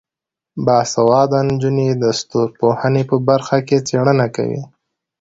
باسواده نجونې د ستورپوهنې په برخه کې څیړنه کوي.